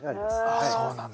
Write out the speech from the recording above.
ああそうなんだ。